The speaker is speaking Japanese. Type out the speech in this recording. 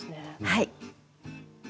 はい。